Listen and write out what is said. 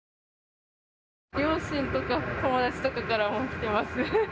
両親とか友達からも来ています。